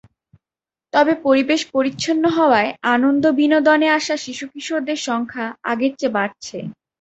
তবে পরিবেশ পরিচ্ছন্ন হওয়ায় আনন্দ-বিনোদনে আসা শিশু-কিশোরের সংখ্যা আগের চেয়ে বাড়ছে।